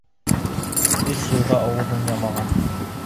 Өс йылға ауыҙын ямаған.